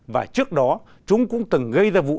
và trước đó chúng cũng từng gây ra vụ